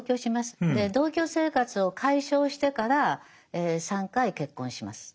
同居生活を解消してから３回結婚します。